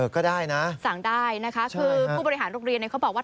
ก็ได้นะสั่งได้นะคะคือผู้บริหารโรงเรียนเขาบอกว่า